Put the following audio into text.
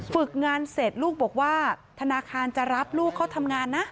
ฝึกงานเสร็จลูกบอกว่าธนาคารจะรับลูกเขาทำงานนะ